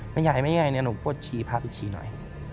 แม่ใหญ่เนี่ยหนูปวดฉี่พาไปฉี่หน่อย